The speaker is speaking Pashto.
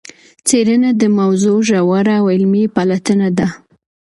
څېړنه د موضوع ژوره او علمي پلټنه ده.